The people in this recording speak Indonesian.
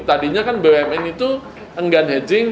tadinya kan bumn itu enggan hedging